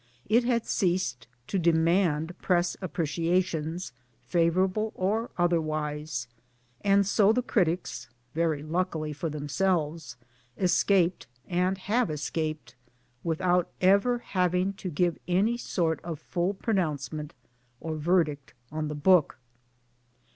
It had ceased to demand Press appreciations, favorable or otherwise ; and so the critics very luckily for themselves escaped, and have escaped, without ever having had to give any sort of full pronouncement or verdict on the book